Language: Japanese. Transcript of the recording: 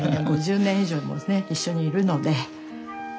５０年以上も一緒にいるのでありますね。